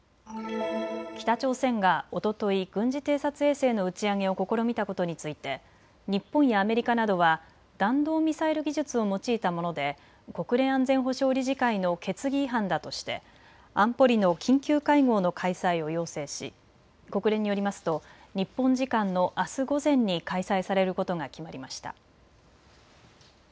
北朝鮮がおととい軍事偵察衛星の打ち上げを試みたことについて日本やアメリカなどは弾道ミサイル技術を用いたもので国連安全保障理事会の決議違反だとして安保理の緊急会合の開催を要請し国連によりますと日本時間のあす午前に開催されることが決まりました。